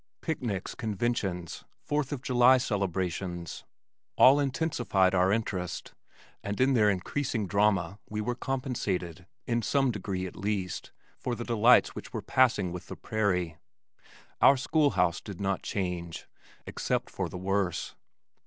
Picnics, conventions, Fourth of July celebrations all intensified our interest, and in their increasing drama we were compensated, in some degree at least, for the delights which were passing with the prairie. Our school house did not change except for the worse.